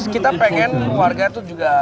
kita pengen warga tuh juga